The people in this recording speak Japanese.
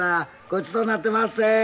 ごちそうになってまっせ。